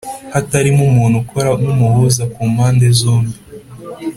Hatarimo umuntu ukora nk’umuhuza ku mpande zombi